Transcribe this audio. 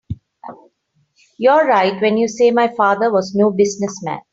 You're right when you say my father was no business man.